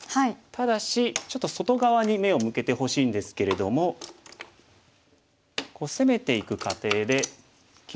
ただしちょっと外側に目を向けてほしいんですけれども。攻めていく過程で気付いた時には